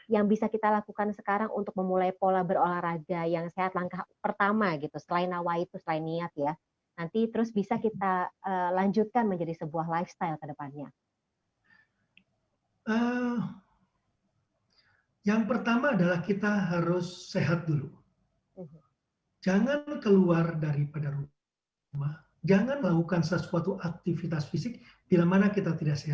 ya akan membuat kita tuh semakin merasa sedih